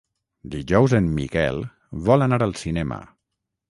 Dijous en Miquel vol anar al cinema.